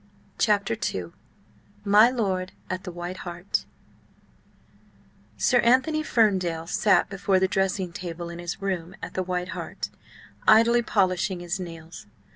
CHAPTER II MY LORD AT THE WHITE HART "SIR ANTHONY FERNDALE" sat before the dressing table in his room at the White Hart, idly polishing his nails.